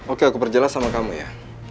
oke aku perjelas sama kamu ya